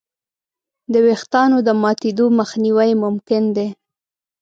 د وېښتیانو د ماتېدو مخنیوی ممکن دی.